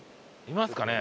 いますかね？